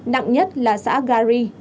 nặng nhất là xã gà ri